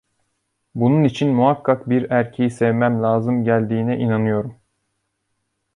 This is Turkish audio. Bunun için muhakkak bir erkeği sevmem lazım geldiğine inanıyorum.